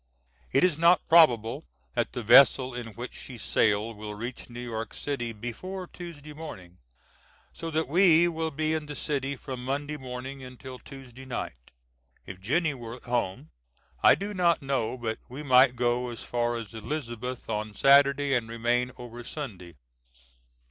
It is not probable that the vessel in which she sailed will reach New York City before Tuesday morning, so that we will be in the city from Monday morning until Tuesday night. If Jennie were at home I do not know but we might go as far as Elizabeth on Saturday and remain over Sunday.